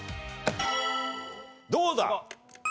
どうだ？